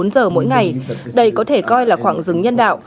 bốn giờ mỗi ngày đây có thể coi là khoảng dừng nhân đạo